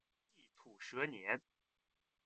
藏历土蛇年。